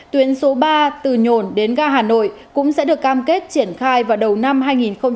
tuyến số ba từ nhồn đến ga hà nội cũng sẽ được cam kết triển khai vào đầu năm hai nghìn hai mươi